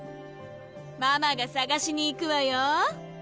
ママがさがしに行くわよ